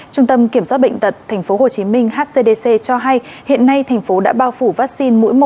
trung tâm kiểm soát bệnh tật tp hcm hcdc cho hay hiện nay thành phố đã bao phủ vaccine mũi một